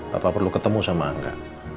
bapak perlu ketemu sama angga